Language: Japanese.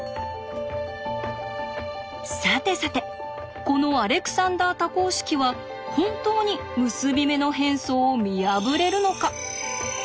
さてさてこのアレクサンダー多項式は本当に結び目の変装を見破れるのか。